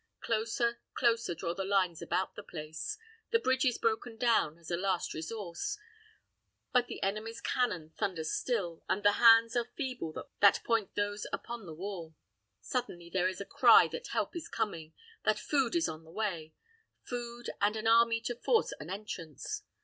Closer, closer draw the lines about the place, the bridge is broken down, as a last resource; but the enemy's cannon thunder still, and the hands are feeble that point those upon the walls. Suddenly there is a cry that help is coming, that food is on the way; food, and an army to force an entrance.